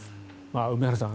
梅原さん